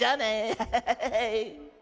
ハハハハ。